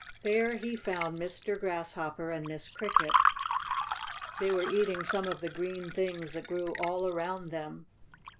There he found Mr. Grasshopper and Miss Cricket. They were eating some of the green things that grew all around them.